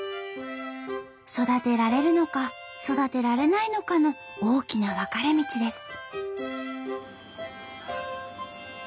育てられるのか育てられないかの大きな分かれ道です。